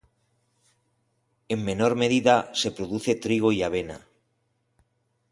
En menor medida se produce trigo y avena.